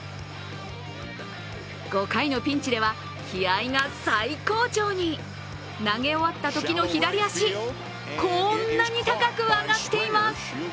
５回のピンチでは気合いが最高潮に投げ終わったときの左足、こんなに高く上がっています。